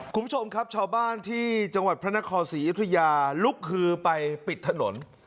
คุณผู้ชมครับชาวบ้านที่จังหวัดพระนครศรีอยุธยาลุกฮือไปปิดถนน